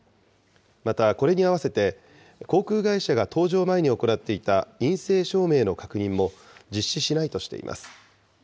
またこれに合わせて、航空会社が搭乗前に行っていた陰性証明の確認も実施しないとしています。